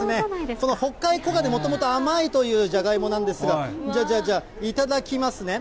その北海黄金、もともと甘いというジャガイモなんですが、じゃあ、じゃあ、じゃあ、頂きますね。